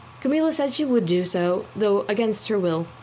Camilla said she would do so, though against her will.